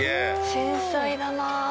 繊細だなあ。